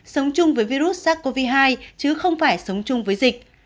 sống chung với virus sars cov hai chứ không phải sống chung với dịch